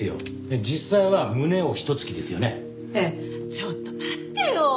ちょっと待ってよ！